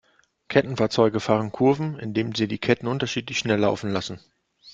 Kettenfahrzeuge fahren Kurven, indem sie die Ketten unterschiedlich schnell laufen lassen.